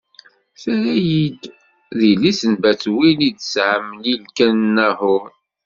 Terra-yi-d: D yelli-s n Batwil i d-tesɛa Milka i Naḥuṛ.